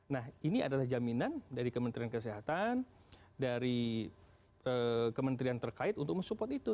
nah ini adalah jaminan dari kementerian kesehatan dari kementerian terkait untuk mensupport itu